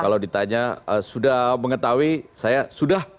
kalau ditanya sudah mengetahui saya sudah